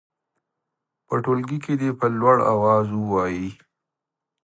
په ټولګي کې دې په لوړ اواز ووايي.